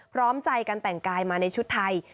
พร้อมใจกันแต่งกายมาในชุดไทย